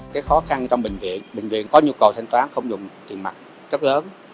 cái khó khăn trong bệnh viện bệnh viện có nhu cầu thanh toán không dùng tiền mặt rất lớn